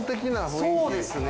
そうですね。